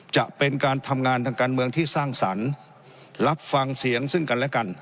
จะเป็นการทำงานทางการเมืองที่สร้างสรรค์รับฟังเสียงซึ่งกันและกัน